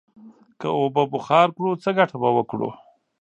که اوبه بخار کړو، څه گټه به وکړو؟